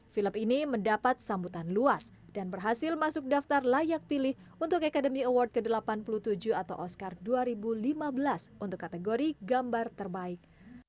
film ini mendapat sambutan luas dan berhasil masuk daftar layak pilih untuk academy award ke delapan puluh tujuh atau oscar dua ribu lima belas untuk kategori gambar terbaik